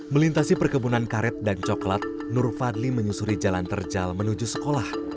melintasi perkebunan karet dan coklat nur fadli menyusuri jalan terjal menuju sekolah